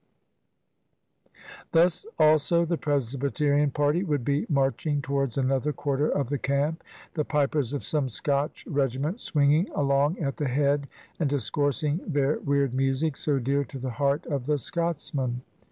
Thus also the Presbyterian party would be marching towards another quarter of the camp, the pipers of some Scotch regiment swinging along at the head and dis coursing their weird music, so dear to the heart of the Scotsman.